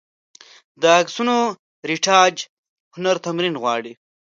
د عکسونو رېټاچ هنر تمرین غواړي.